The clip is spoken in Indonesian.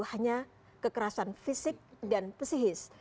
hanya kekerasan fisik dan pesihis